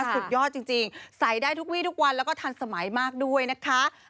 สุดยอดจริงใส่ได้ทุกวีทุกวันแล้วก็ทันสมัยมากด้วยนะคะ